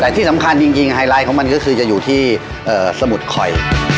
แต่ที่สำคัญจริงไฮไลท์ของมันก็คือจะอยู่ที่สมุดคอย